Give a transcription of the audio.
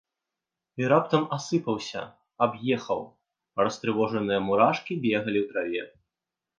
І раптам асыпаўся, аб'ехаў, растрывожаныя мурашкі бегалі ў траве.